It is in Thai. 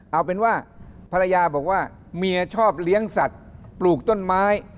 เอาเป็นว่าภรรยาบอกว่าเมียชอบเลี้ยงสัตว์ปลูกต้นไม้